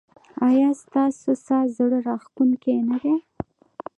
ایا ستاسو ساز زړه راښکونکی نه دی؟